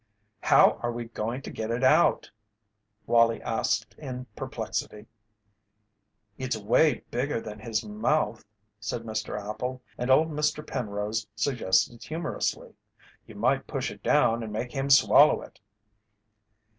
"How are we going to get it out?" Wallie asked in perplexity. "It's way bigger than his mouth," said Mr. Appel, and old Mr. Penrose suggested humorously: "You might push it down and make him swallow it."